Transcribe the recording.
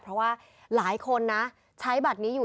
เพราะว่าหลายคนนะใช้บัตรนี้อยู่